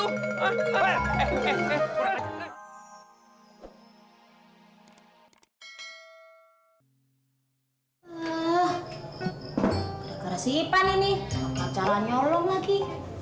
udah kerasi pan ini bakal jalan nyolong lagi